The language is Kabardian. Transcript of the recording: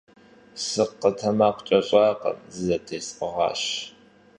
СыкъэтэмакъкӀэщӀакъым, зызэтесӀыгъащ.